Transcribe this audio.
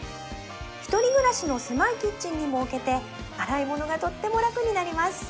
１人暮らしの狭いキッチンにも置けて洗い物がとっても楽になります